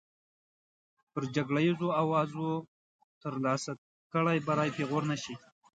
پر جګړیزو اوزارو ترلاسه کړی بری پېغور نه شي.